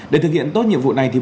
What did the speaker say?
để thực hiện tốt nhiệm vụ này